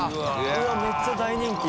うわめっちゃ大人気。